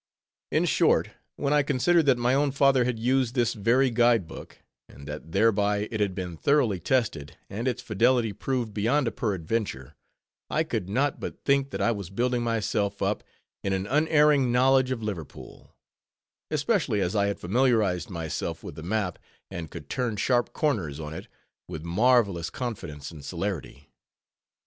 In short, when I considered that my own father had used this very guide book, and that thereby it had been thoroughly tested, and its fidelity proved beyond a peradventure; I could not but think that I was building myself up in an unerring knowledge of Liverpool; especially as I had familiarized myself with the map, and could turn sharp corners on it, with marvelous confidence and celerity.